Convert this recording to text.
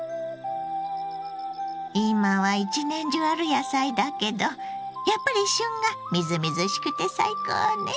今は一年中ある野菜だけどやっぱり旬がみずみずしくて最高ね！